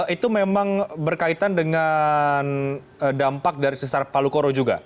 itu memang berkaitan dengan dampak dari sesar palukoro juga